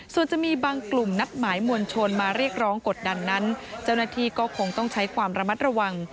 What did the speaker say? ส่วนจะมีบางกลุ่มนัดหมายมวลชนมาเรียกร้องกดดันนั้นเจ้าหน้าที่ก็คงต้องใช้ความระมัดระวัง